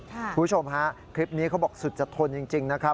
คุณผู้ชมฮะคลิปนี้เขาบอกสุดจะทนจริงนะครับ